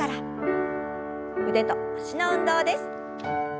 腕と脚の運動です。